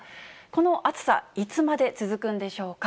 この暑さ、いつまで続くんでしょうか。